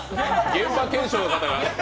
現場検証の方が。